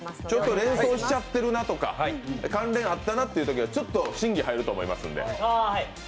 連想しちゃってるなとか関連あったなというときはちょっと審議入ると思いますので。